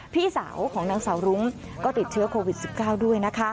พี่สาวของนางสาวรุ้งก็ติดเชื้อโควิด๑๙ด้วยนะคะ